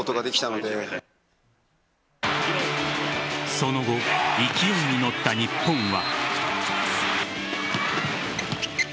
その後、勢いに乗った日本は。